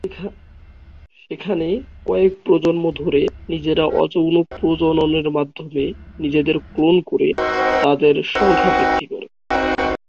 সেখানে কয়েক প্রজন্ম ধরে নিজেরা অযৌন প্রজননের মাধ্যমে নিজেদের ক্লোন করে, তাদের সংখ্যা বৃদ্ধি করে।